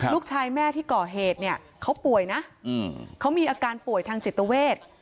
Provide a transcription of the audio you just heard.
ลูกชายแม่ที่ก่อเหตุเนี่ยเขาป่วยนะเขามีอาการป่วยทางจิตเวท